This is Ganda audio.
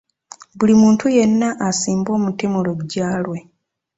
Buli muntu yenna asimbe omuti mu lugya lwe